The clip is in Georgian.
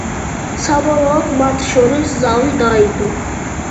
საბოლოოდ მათ შორის ზავი დაიდო.